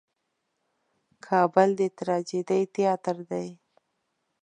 کابل د ټراجېډي تیاتر دی.